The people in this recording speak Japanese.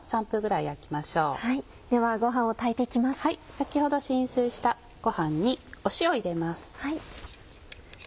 先ほど浸水したごはんに塩を入れます。